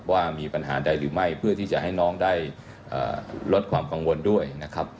ว่ามีปัญหาใดหรือไม่เพื่อที่จะให้น้องได้ลดความกังวลด้วยนะครับ